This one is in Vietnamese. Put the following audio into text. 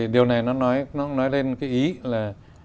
điều này nó nói lên cái ý là